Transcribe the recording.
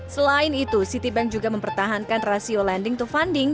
selain itu citibank juga mempertahankan rasio lending to funding